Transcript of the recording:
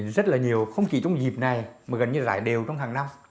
rất là nhiều không chỉ trong dịp này mà gần như giải đều trong hàng năm